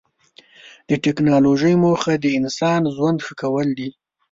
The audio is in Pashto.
د ټکنالوجۍ موخه د انسان ژوند ښه کول دي.